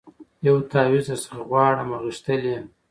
یو تعویذ درڅخه غواړمه غښتلی